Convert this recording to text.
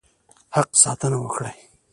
حق ساتنه وکړي.